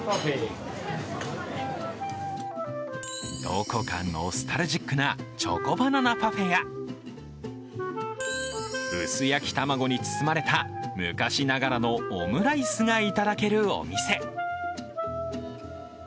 どこかノスタルジックなチョコバナナパフェや薄焼き卵に包まれた昔ながらのオムライスがいただけるお店。